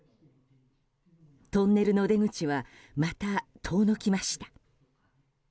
トンネルの出口はまた遠のきました。